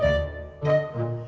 ya udah aku tunggu